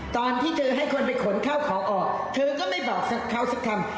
ตอนที่เธอให้คนไปขนข้าวของออกเธอก็ไม่บอกสักเขาสักคำ